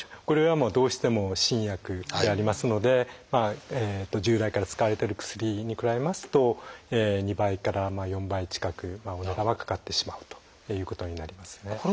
これはどうしても新薬でありますので従来から使われてる薬に比べますと２倍から４倍近くお値段はかかってしまうということになりますね。